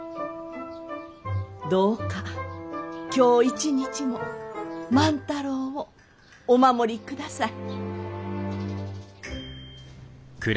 どうか今日一日も万太郎をお守りください。